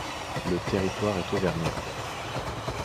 Le territoire est auvergnat.